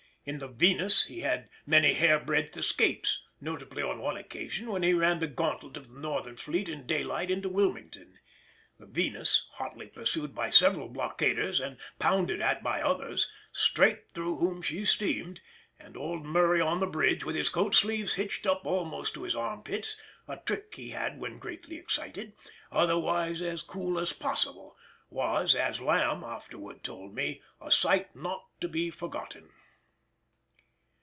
In the Venus he had many hair breadth escapes, notably on one occasion when he ran the gauntlet of the Northern Fleet in daylight into Wilmington. The Venus, hotly pursued by several blockaders and pounded at by others, straight through whom she steamed, and old Murray on the bridge, with his coat sleeves hitched up almost to his arm pits—a trick he had when greatly excited—otherwise as cool as possible, was, as Lamb afterwards told me, a sight not to be forgotten.